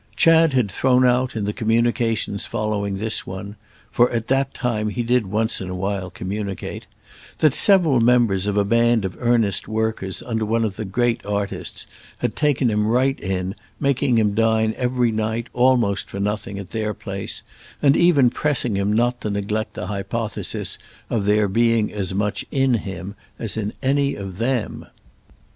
Chad had thrown out, in the communications following this one—for at that time he did once in a while communicate—that several members of a band of earnest workers under one of the great artists had taken him right in, making him dine every night, almost for nothing, at their place, and even pressing him not to neglect the hypothesis of there being as much "in him" as in any of them.